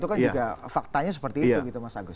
itu kan juga faktanya seperti itu gitu mas agus